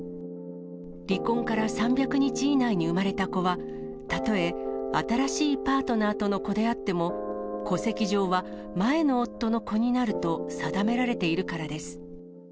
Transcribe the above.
離婚から３００日以内に生まれた子は、たとえ新しいパートナーとの子であっても、戸籍上は前の夫の子になると定められているからです。